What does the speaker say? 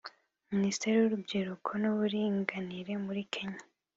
Minisitiri w’Urubyiruko n’Uburinganire muri Kenya